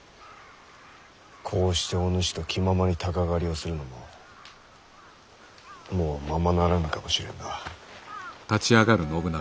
こうしてお主と気ままに鷹狩りをするのももうままならぬかもしれんな。